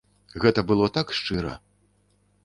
Гэта было так шчыра!